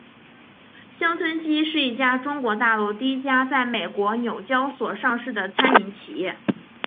乡村基是一家中国大陆第一家在美国纽交所上市的餐饮企业。